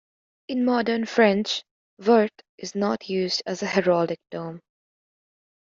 In Modern French, "vert" is not used as a heraldic term.